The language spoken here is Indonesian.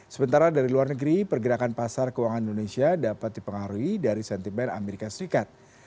sementara dari luar negeri pergerakan pasar keuangan indonesia dapat dipengaruhi dari sentimen amerika serikat